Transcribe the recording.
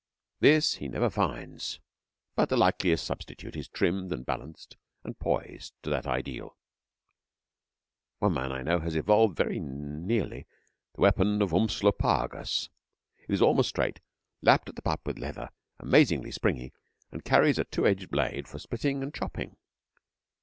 This he never finds, but the likest substitute is trimmed and balanced and poised to that ideal. One man I know has evolved very nearly the weapon of Umslopogaas. It is almost straight, lapped at the butt with leather, amazingly springy, and carries a two edged blade for splitting and chopping.